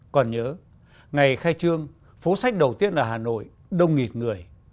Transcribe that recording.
còn nhớ ngày khai trương phố sách đầu tiên ở hà nội đông nghịt người